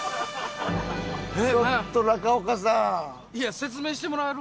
ちょっと中岡さん。